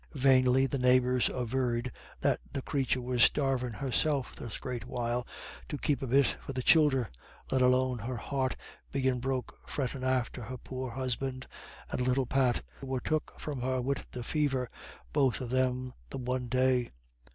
Vainly the neighbours averred that "the crathur was starvin' herself this great while to keep a bit for the childer, let alone her heart bein' broke frettin' after her poor husband and little Pat, who were took from her wid the fever, both of them the one day."